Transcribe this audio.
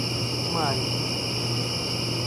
Cumari